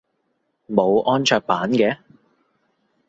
冇安卓版嘅？